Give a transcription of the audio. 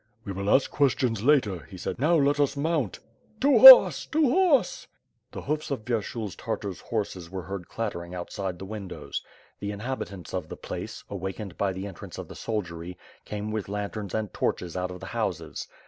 "We will ask questions later,' 'he said, "now let us mount." "To horse! To horse!" The hoofs of Vyershul's Tartars horses were heard clat tering outside the windows. The inhabitants of the place, awakened by the entrance of the soldiery, came with lan terns and torches out of the houses.